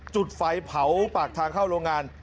จุดไฟเผาปากทางเข้าโรงงาน